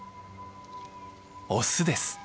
オスです。